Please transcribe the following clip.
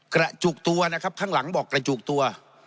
กระจุกตัวนะครับข้างหลังบอกกระจุกตัว